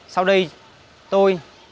sau đây tôi